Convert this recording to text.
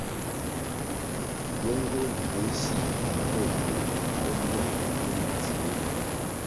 Gywenguē mbuéh si bo bur bo mia mi yi dzihri.